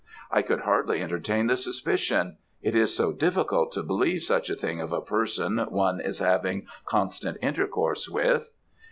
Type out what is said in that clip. I could hardly entertain the suspicion it is so difficult to believe such a thing of a person one is having constant intercourse with.